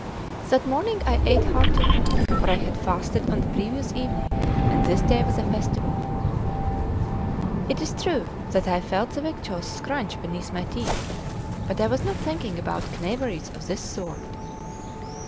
That morning I ate heartily, for I had fasted on the previous evening; and this day was a festival. It is true that I felt the victuals scrunch beneath my teeth; but I was not thinking about knaveries of this sort.